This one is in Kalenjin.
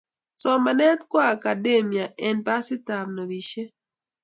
somanetab kiakademia eng pasitab nobishet